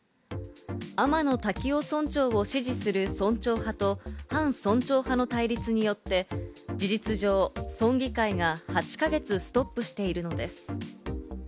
天野多喜雄村長を支持する村長派と、反村長派の対立によって事実上、村議会が８か月ストップしているのです。